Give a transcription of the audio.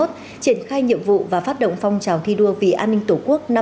triển khai nhiệm vụ và phát động phong trào thi đua vì an ninh tổ quốc năm hai nghìn hai mươi bốn